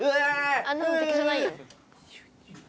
あんなのてきじゃないよ。